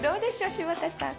柴田さん。